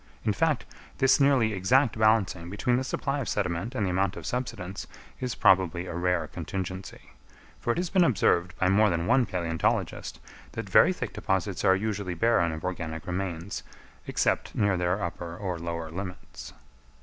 In fact, this nearly exact balancing between the supply of sediment and the amount of subsidence is probably a rare contingency; for it has been observed by more than one palæontologist that very thick deposits are usually barren of organic remains, except near their upper or lower limits.